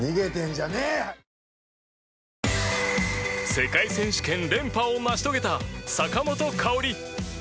世界選手権連覇を成し遂げた坂本花織。